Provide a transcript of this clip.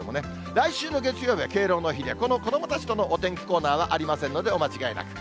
来週の月曜日は敬老の日で、この子どもたちとのお天気コーナーはありませんので、お間違えなく。